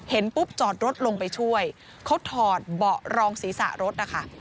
ปุ๊บจอดรถลงไปช่วยเขาถอดเบาะรองศีรษะรถนะคะ